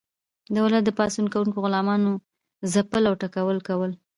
دولت د پاڅون کوونکو غلامانو ځپل او ټکول کول.